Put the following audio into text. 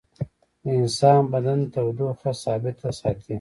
د انسان بدن تودوخه ثابته ساتي